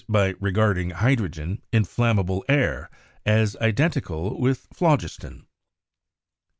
by regarding hydrogen, "inflammable air," as identical with phlogiston.